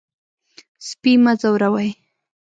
سپي مه ځوروئ.